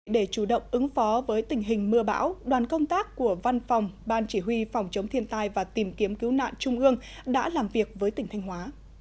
để chủ động ứng phó với tình hình mưa bão đoàn công tác của văn phòng ban chỉ huy phòng chống thiên tai và tìm kiếm cứu nạn trung ương đã làm việc với tỉnh thanh hóa